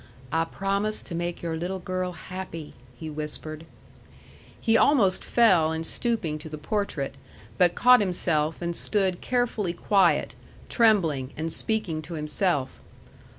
"I promise to make your little girl happy," he whispered. He almost fell in stooping to the portrait, but caught himself and stood carefully quiet, trembling, and speaking to himself.